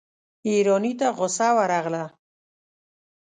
ايراني ته غصه ورغله.